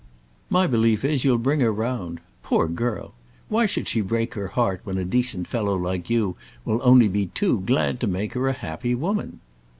My belief is you'll bring her round. Poor girl! why should she break her heart when a decent fellow like you will only be too glad to make her a happy woman?"